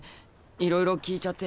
いろいろ聞いちゃって。